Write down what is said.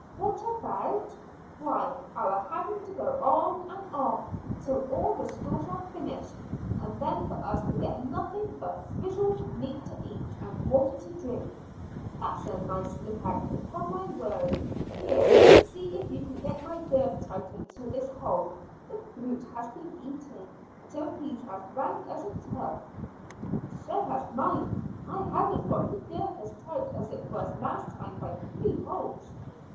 "What about? Why, our having to go on and on till all the stores are finished, and then for us to get nothing but frizzled meat to eat and water to drink. That's a nice lookout, upon my word! Here, see if you can get my girth tightened to this hole. This brute has been eating till he's as round as a tub." "So has mine. I haven't got the girth as tight as it was last time by three holes."